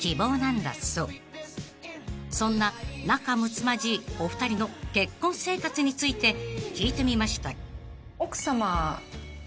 ［そんな仲むつまじいお二人の結婚生活について聞いてみました］